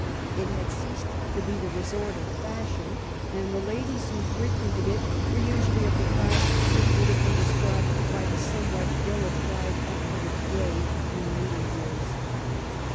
It had ceased to be the resort of fashion, and the ladies who frequented it were usually of the class which would have been described by the somewhat ill applied epithet of " gay ^' in later years.